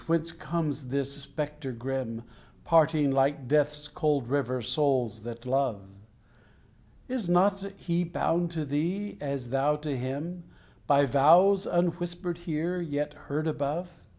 Whence comes this spectre grim, Parting, like Death's cold river, souls that love? Is not he bound to thee, as thou to him, By vows, unwhispered here, yet heard above?